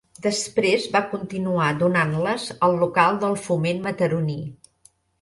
Després va continuar donant-les al local del Foment Mataroní.